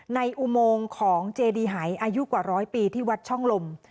อุโมงของเจดีหายอายุกว่าร้อยปีที่วัดช่องลม